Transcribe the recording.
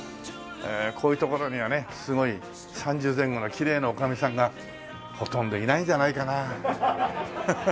こういう所にはねすごい３０前後のきれいな女将さんがほとんどいないんじゃないかな。